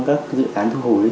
các dự án thu hồi